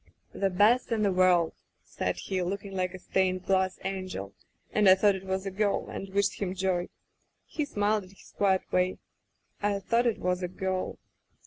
* "'The best in the world!* said he, look ing like a stained glass angel, and I thought it was a girl and wished him joy. ... He smiled in his quiet way. ... I thought it was a girl!